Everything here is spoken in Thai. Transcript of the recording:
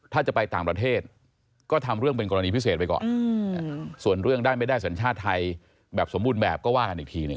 ถ้าจะไปต่างประเทศก็ทำเรื่องเป็นกรณีพิเศษไปก่อนส่วนเรื่องได้ไม่ได้สัญชาติไทยแบบสมบูรณ์แบบก็ว่ากันอีกทีหนึ่ง